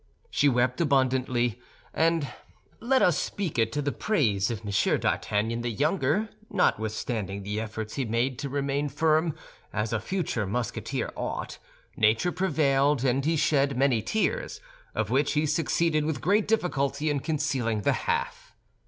She wept abundantly; and—let us speak it to the praise of M. d'Artagnan the younger—notwithstanding the efforts he made to remain firm, as a future Musketeer ought, nature prevailed, and he shed many tears, of which he succeeded with great difficulty in concealing the half.